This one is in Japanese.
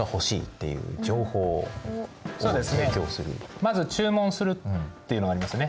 まず注文するっていうのがありますね。